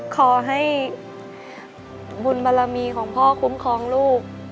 ขอให้บุญบารมีของพ่อคุ้มครองลูก